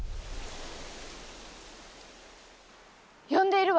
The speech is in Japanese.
呼んでいるわ！